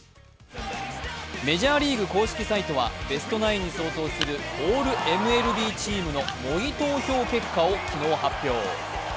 メジャーリーグ公式サイトはベストナインに相当するオールＭＬＢチームの模擬投票結果を昨日、発表。